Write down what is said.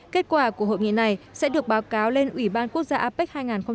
kết quả của hội nghị này sẽ được báo cáo lên ủy ban quốc gia apec hai nghìn hai mươi